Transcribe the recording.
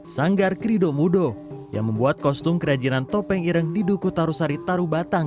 sanggar krido mudo yang membuat kostum kerajinan topeng irang diduku tarusari tarubatang